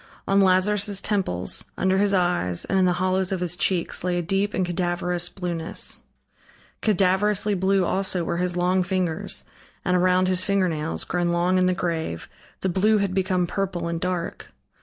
On Lazarus' temples, under his eyes, and in the hollows of his cheeks, lay a deep and cadaverous blueness; cadaverously blue also were his long fingers, and around his fingernails, grown long in the grave, the blue had become purple and dark.